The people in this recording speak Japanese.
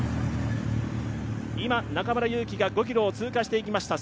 今、中村優希が５ｋｍを通過していきました。